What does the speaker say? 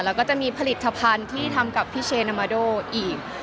แล้วก็จะมีผลิตภัณฑ์ที่ทำกับพี่เชนามาโดอีก